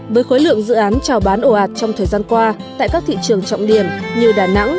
với khối lượng dự án trào bán ồ ạt trong thời gian qua tại các thị trường trọng điểm như đà nẵng